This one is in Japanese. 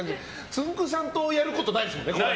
つんく♂さんとやることないですもんね。